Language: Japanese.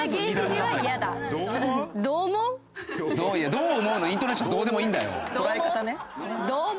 「どう思う？」のイントネーションどうでもいいんだよ！